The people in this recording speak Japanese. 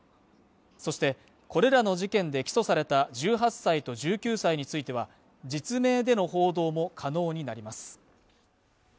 そしてこれらの事件で起訴された１８歳と１９歳については実名での報道も可能になります